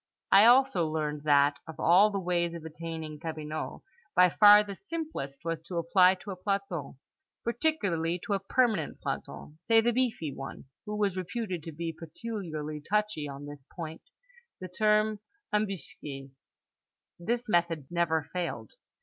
I also learned that, of all the ways of attaining cabinot, by far the simplest was to apply to a planton, particularly to a permanent planton, say the beefy one (who was reputed to be peculiarly touchy on this point) the term embusqué. This method never failed.